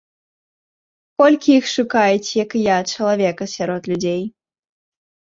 Колькі іх шукаюць, як і я, чалавека сярод людзей.